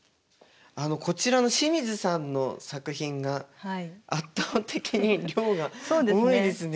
こちらの清水さんの作品が圧倒的に量が多いですね。